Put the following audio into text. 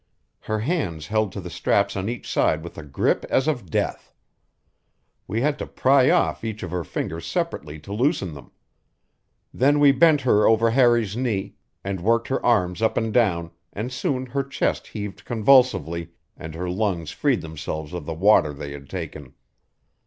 Her hands held to the straps on each side with a grip as of death; we had to pry off each of her fingers separately to loosen them. Then we bent her over Harry's knee and worked her arms up and down, and soon her chest heaved convulsively and her lungs freed themselves of the water they had taken.